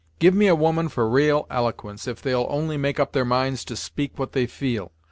Give me a woman for ra'al eloquence, if they'll only make up their minds to speak what they feel.